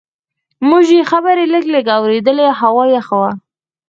موږ یې خبرې لږ لږ اورېدلې، هوا یخه وه.